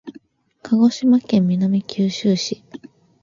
鹿児島県南九州市